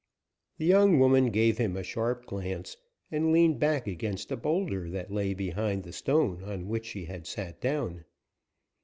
The young woman gave him a sharp glance, and leaned back against a boulder that lay behind the stone on which she had sat down.